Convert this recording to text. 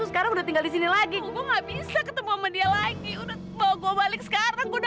sekarang udah tinggal di sini lagi gue gak bisa ketemu sama dia lagi udah mau gue balik sekarang udah